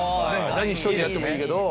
何ひとりでやってもいいけど。